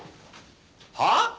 はあ！？